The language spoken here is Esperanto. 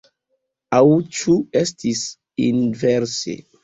Aŭ ĉu estis inverse?